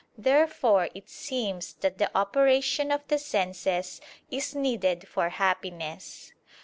Therefore it seems that the operation of the senses is needed for happiness.